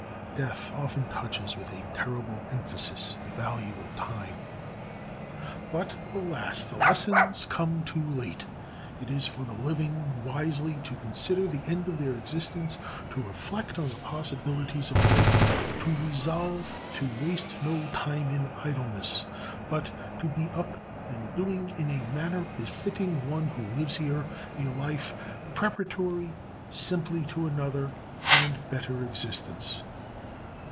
Death often touches with a terrible emphasis the value of time. But, alas! the lesson comes too late. It is for the living wisely to consider the end of their existence, to reflect on the possibilities of life, to resolve to waste no time in idleness, but to be up and doing in a manner befitting one who lives here a life preparatory simply to another and better existence.